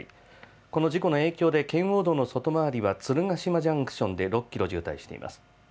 この事故の影響で圏央道の外回りは鶴ヶ島ジャンクションで６キロ渋滞しています。